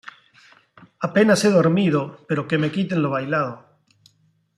Apenas he dormido pero que me quiten lo bailado